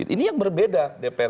ini yang berbeda dpr